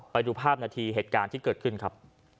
ไปดูภาพนาทีเหตุการณ์ที่เกิดขึ้นครับ